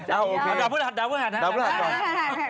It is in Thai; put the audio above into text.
เอาโอเคดาวพุทธภาค